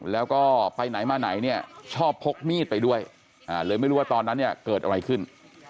แล้วก็ไปไหนมาไหนเนี่ยชอบพกมีดไปด้วยเลยไม่รู้ว่าตอนนั้นเนี่ยเกิดอะไรขึ้น